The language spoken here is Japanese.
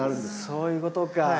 そういうことか。